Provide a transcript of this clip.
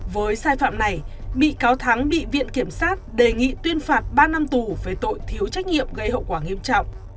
với sai phạm này bị cáo thắng bị viện kiểm sát đề nghị tuyên phạt ba năm tù về tội thiếu trách nhiệm gây hậu quả nghiêm trọng